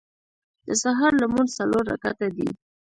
د سهار لمونځ څلور رکعته دی.